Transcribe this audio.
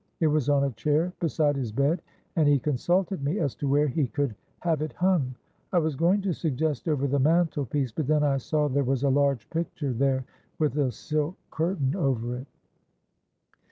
It was on a chair beside his bed, and he consulted me as to where he could have it hung. I was going to suggest over the mantel piece, but then I saw there was a large picture there with a silk curtain over it."